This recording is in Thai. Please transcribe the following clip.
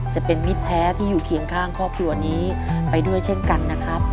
จะเป็นมิตรแท้ที่อยู่เคียงข้างครอบครัวนี้ไปด้วยเช่นกันนะครับ